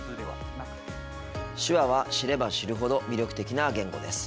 手話は知れば知るほど魅力的な言語です。